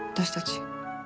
私たち。